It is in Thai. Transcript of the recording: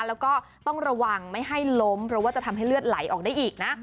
แล้วก็ต้องระวังไม่ให้ล้มเพราะว่าจะทำให้เลือดไหลออกได้อีกนะ